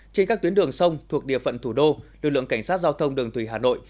trên các tuyến đường sông thuộc địa phận thủ đô lực lượng cảnh sát giao thông đường thủy hà nội